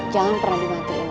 jangan pernah dimatiin ya